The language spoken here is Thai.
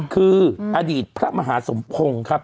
คืออดีตพระมหาสมพงศ์ครับ